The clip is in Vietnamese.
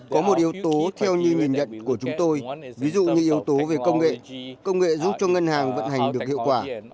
có một yếu tố theo như nhìn nhận của chúng tôi ví dụ như yếu tố về công nghệ công nghệ giúp cho ngân hàng vận hành được hiệu quả